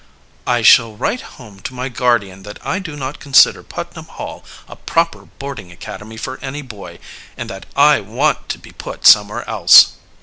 "I shall write home to my guardian that I do not consider Putnam Hall a proper boarding academy for any boy, and that I want to be put somewhere else."